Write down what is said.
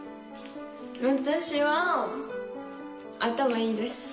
私は頭いいです。